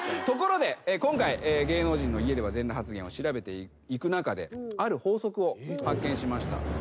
ところで今回芸能人の家では全裸発言を調べていく中である法則を発見しました。